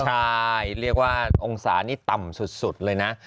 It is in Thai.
ใช่เรียกว่าองศานี่ต่ำสุดเลยนะ